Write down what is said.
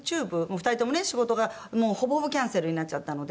２人ともね仕事がもうほぼほぼキャンセルになっちゃったので。